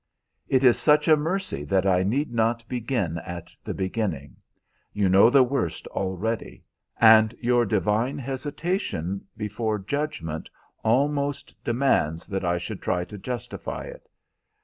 "It is such a mercy that I need not begin at the beginning. You know the worst already, and your divine hesitation before judgment almost demands that I should try to justify it.